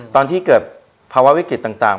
ตอนที่เกิดภาวะวิกฤตต่าง